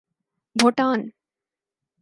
Bhutan